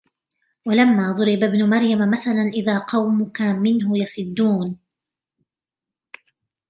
وَلَمَّا ضُرِبَ ابْنُ مَرْيَمَ مَثَلًا إِذَا قَوْمُكَ مِنْهُ يَصِدُّونَ